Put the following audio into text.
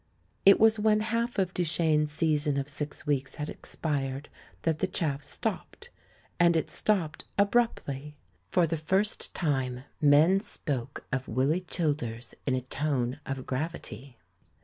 It was when half of Duchene's season of six weeks had expired that the chaff stopped; and it stopped abruptly. For the first time men spoke of Willy Childers in a tone of gravity.